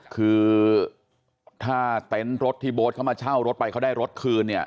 คือถ้าเต็นต์รถที่โบ๊ทเขามาเช่ารถไปเขาได้รถคืนเนี่ย